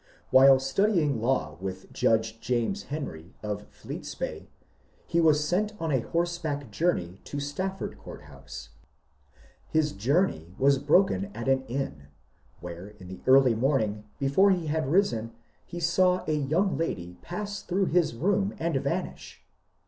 While studying law with Judge James Henry of Fleete's Bay, he was sent on a horseback journey to Stafford Court House. His journey was broken at an inn, where in the early morning, before he had risen, he saw a young lady pass through his room and vanish.